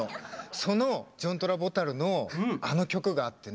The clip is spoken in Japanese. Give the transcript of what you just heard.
そのジョン・トラボタルのあの曲があってね